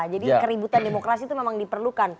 jadi keributan demokrasi itu memang diperlukan